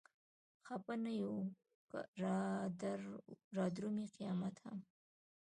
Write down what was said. خپه نه يو که رادرومي قيامت هم